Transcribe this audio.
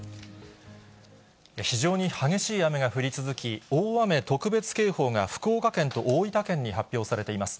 非常に激しい雨が降り続き、大雨特別警報が福岡県と大分県に発表されています。